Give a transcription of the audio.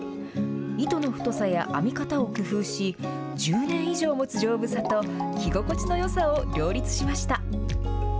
糸の太さや編み方を工夫し１０年以上もつ丈夫さと着心地のよさを両立しました。